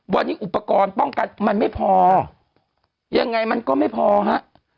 วันนี้อุปกรณ์ป้องกันมันไม่พอยังไงมันก็ไม่พอฮะ